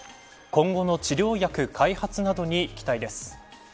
今後の治療薬開発などに期待です。